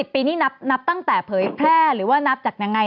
๕๐ปีนี้นับตั้งแต่เผยแข้หรือนับจากยังไง